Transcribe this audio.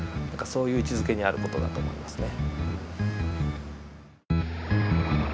そういう位置づけにある事だと思いますね。